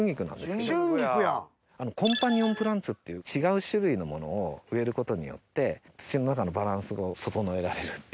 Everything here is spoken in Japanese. コンパニオンプランツっていう違う種類のものを植えることによって土の中のバランスを整えられるっていうを。